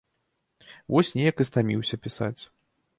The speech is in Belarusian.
Вось неяк і стаміўся пісаць.